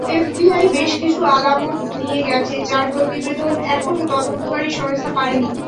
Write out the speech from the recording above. FBI বেশ কিছু আলামত নিয়ে গেছে, যার প্রতিবেদন এখনো তদন্তকারী সংস্থা পায়নি।